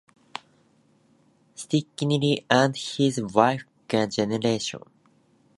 Stickney and his wife Genevive.